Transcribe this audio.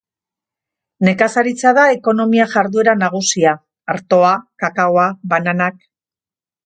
Nekazaritza da ekonomia jarduera nagusia: artoa, kakaoa, bananak.